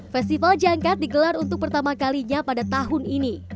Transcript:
festival jangkat digelar untuk pertama kalinya pada tahun ini